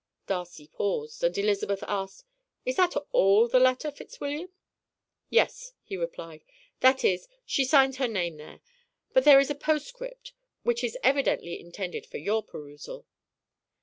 Darcy paused, and Elizabeth asked: "Is that all the letter, Fitzwilliam?" "Yes," he replied, "that is, she signs her name there, but there is a postscript which is evidently intended for your perusal."